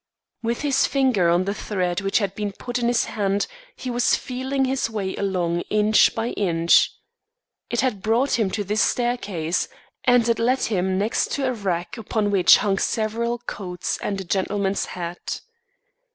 With his finger on the thread which had been put in his hand, he was feeling his way along inch by inch. It had brought him to this staircase, and it led him next to a rack upon which hung several coats and a gentleman's hat.